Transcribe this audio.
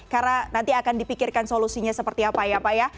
karena nanti akan dipikirkan solusinya seperti apa ya pak ya